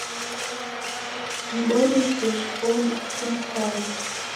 Mbonye sejhi koni ikundikane